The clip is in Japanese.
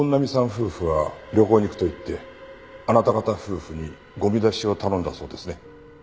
夫婦は旅行に行くと言ってあなた方夫婦にゴミ出しを頼んだそうですね。